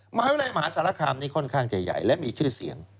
มหาวิทยาลัยมหาสารคามนี่ค่อนข้างจะใหญ่และมีชื่อเสียง